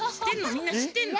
みんなしってんの？